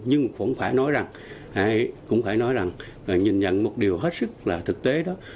nhưng cũng phải nói rằng nhìn nhận một điều hết sức là thực tế đó